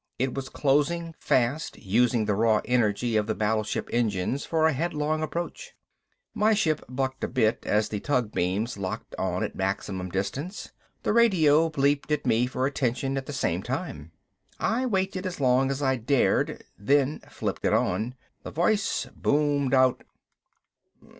It was closing fast, using the raw energy of the battleship engines for a headlong approach. My ship bucked a bit as the tug beams locked on at maximum distance. The radio bleeped at me for attention at the same time. I waited as long as I dared, then flipped it on. The voice boomed out.